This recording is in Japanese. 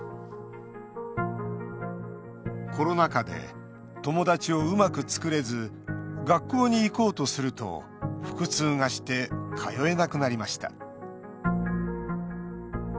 コロナ禍で、友達をうまく作れず学校に行こうとすると腹痛がして通えなくなりました。